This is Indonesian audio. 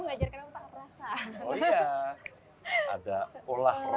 karena tadi mengajarkan aku takut rasa